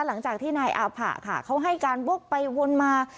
หลังจากที่นายอาผะค่ะเขาให้การวกไปวนมา